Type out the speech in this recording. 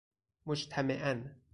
مجتمعاً